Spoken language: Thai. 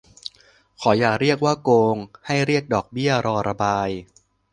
ขออย่าเรียกว่าโกง ให้เรียกดอกเบี้ยรอระบาย